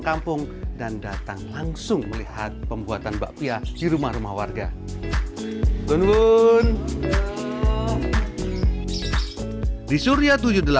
kampung dan datang langsung melihat pembuatan bakpia di rumah rumah warga gungun di surya